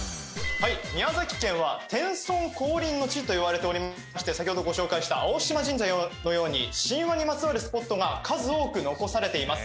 宮崎県は天孫降臨の地といわれておりまして先ほどご紹介した青島神社のように神話にまつわるスポットが数多く残されています